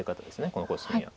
このコスミは。